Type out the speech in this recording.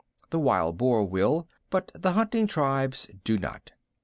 The wild boar will, but the hunting tribes do not.